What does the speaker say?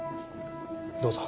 どうぞ。